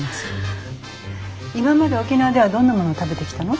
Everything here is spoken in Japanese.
今まで沖縄ではどんなものを食べてきたの？